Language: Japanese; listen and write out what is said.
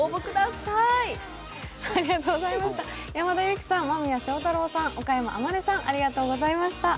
山田裕貴さん、間宮祥太朗さん、岡山天音さん、ありがとうございました。